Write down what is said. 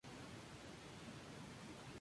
Justo al sur se encuentra la Antártida.